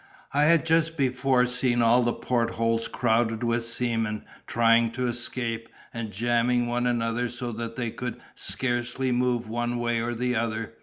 I had just before seen all the port holes crowded with seamen, trying to escape, and jamming one another so that they could scarcely move one way or the other.